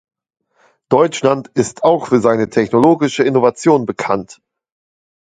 Deutschland ist auch für seine technologische Innovation bekannt.